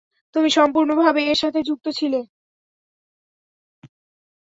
তুমি সম্পূর্ণ ভাবে এর সাথে যুক্ত ছিল।